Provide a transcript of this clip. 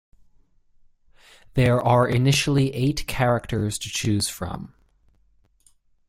There are initially eight characters to choose from.